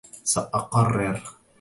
سأقرر.